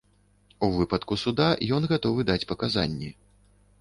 У выпадку суда ён гатовы даць паказанні.